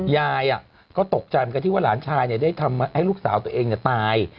ยายก็ตกใจเหมือนกันที่ว่าหลานชายได้ทำให้ลูกสาวตัวเองตาย